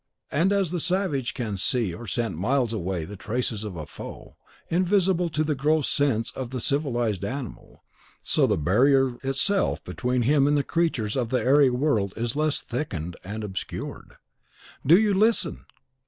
And as the savage can see or scent miles away the traces of a foe, invisible to the gross sense of the civilised animal, so the barrier itself between him and the creatures of the airy world is less thickened and obscured. Do you listen?"